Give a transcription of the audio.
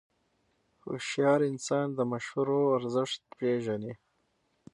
هوښیار انسان د مشورو ارزښت پېژني.